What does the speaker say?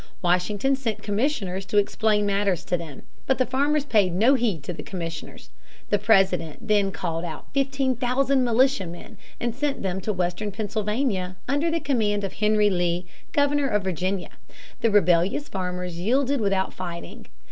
Washington sent commissioners to explain matters to them. But the farmers paid no heed to the commissioners. The President then called out fifteen thousand militia men and sent them to western Pennsylvania, under the command of Henry Lee, governor of Virginia. The rebellious farmers yielded without fighting.